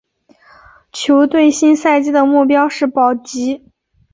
球队新赛季的目标是保级。